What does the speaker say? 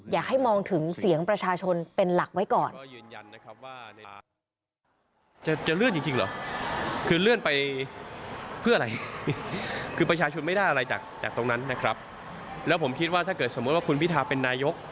อยากให้มองถึงเสียงประชาชนเป็นหลักไว้ก่อนนะครับ